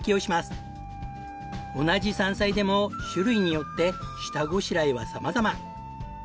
同じ山菜でも種類によって下ごしらえは様々。